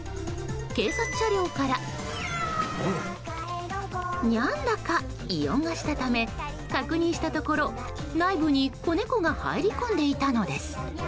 警察車両からニャンだか異音がしたため確認したところ、内部に子猫が入り込んでいたのです。